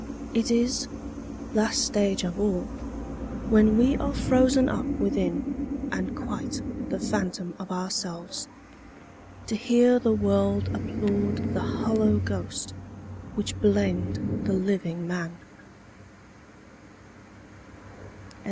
It is last stage of all When we are frozen up within, and quite The phantom of ourselves, To hear the world applaud the hollow ghost Which blamed the living man.